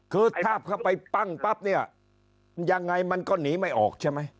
คือถ้าเข้าไปปั้งปั๊บเนี่ยยังไงมันก็หนีไม่ออกใช่ไหม